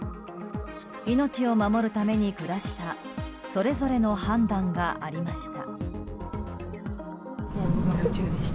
命を守るために下したそれぞれの判断がありました。